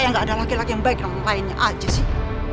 kayak gak ada laki laki yang baik dengan lainnya aja sih